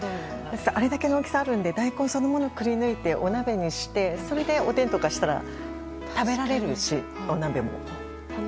あれだけの大きさがあるのでくりぬいてお鍋にしてそれでおでんとかしたら食べられるし、お鍋も。